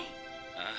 ああ。